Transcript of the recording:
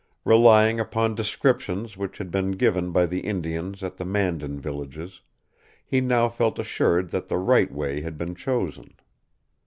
Relying upon descriptions which had been given by the Indians at the Mandan villages, he now felt assured that the right way had been chosen.